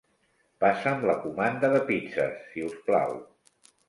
Passa'm la comanda de pizzes, si us plau.